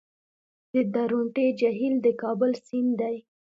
د درونټې جهیل د کابل سیند دی